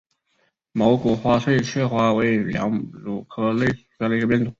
光果毛翠雀花为毛茛科翠雀属下的一个变种。